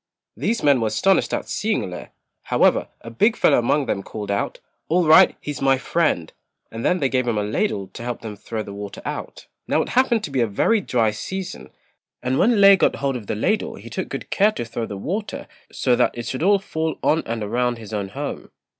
These men were astonished at seeing Lê; however, a big fellow among them called out, "All right, he's my friend," and then they gave him a ladle to help them throw the water out. Now it happened to be a very dry season, and when Lê got hold of the ladle he took good care to throw the water so that it should all fall on and around his own home.